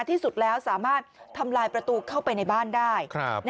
ที่สุดแล้วสามารถทำลายประตูเข้าไปในบ้านได้